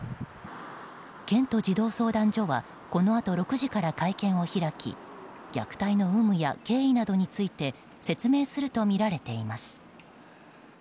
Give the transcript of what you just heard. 県と児童相談所はこのあと６時から会見を開き虐待の有無や経緯などについて説明するとみられています。